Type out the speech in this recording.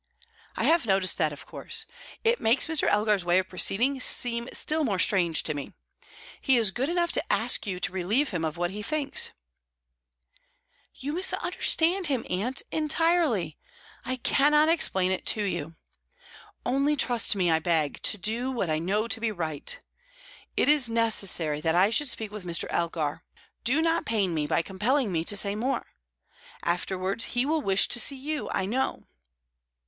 "I have noticed that, of course. It makes Mr. Elgar's way of proceeding seem still more strange to me. He is good enough to ask you to relieve him of what he thinks " "You misunderstand him, aunt, entirely. I cannot explain it to you. Only trust me, I beg, to do what I know to be right. It is necessary that I should speak with Mr. Elgar; do not pain me by compelling me to say more. Afterwards, he will wish to see you, I know."